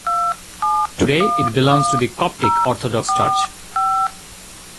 Today it belongs to the Coptic Orthodox Church.